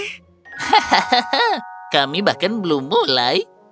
hahaha kami bahkan belum mulai